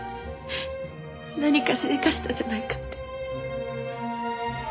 何かしでかしたんじゃないかって。